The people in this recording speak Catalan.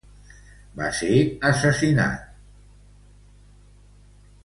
Va ser assassinat per un comando de la Guardia de Hierro.